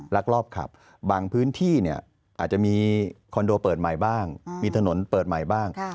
ลักลอบขับบางพื้นที่เนี่ยอาจจะมีคอนโดเปิดใหม่บ้างมีถนนเปิดใหม่บ้าง